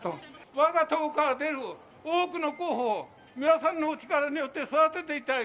わが党から出る多くの候補を、皆さんのお力によって育てていただきたい。